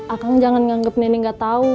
akang jangan nganggep nenek nggak tahu